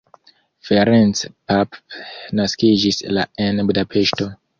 Ferenc Papp naskiĝis la en Budapeŝto.